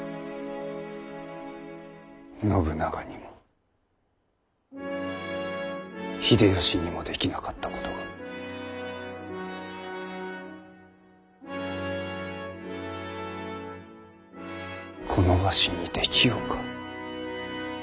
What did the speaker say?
信長にも秀吉にもできなかったことがこのわしにできようか？